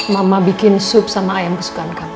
mama bikin sup sama ayam kesukaan kami